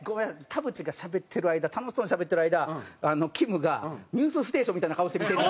田渕がしゃべってる間楽しそうにしゃべってる間きむが『ニュースステーション』みたいな顔して見てる。